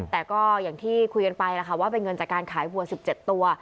แต่ก็อย่างที่คุยกันไปแล้วค่ะว่าเป็นเงินจากการขายวัว๑๗ตัว